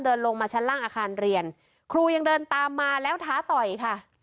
เดินลงมาชั้นล่างอาคารเรียนครูยังเดินตามมาแล้วท้าต่อยค่ะ